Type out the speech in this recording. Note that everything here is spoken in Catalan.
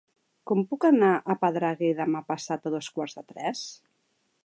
Com puc anar a Pedreguer demà passat a dos quarts de tres?